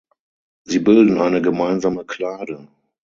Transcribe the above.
Sie bilden eine gemeinsame Klade.